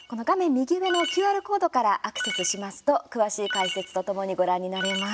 右上のＱＲコードからアクセスしますと、詳しい解説とともにご覧になれます。